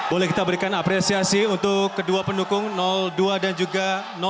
boleh kita berikan apresiasi untuk kedua pendukung dua dan juga dua